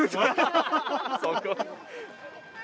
そこ？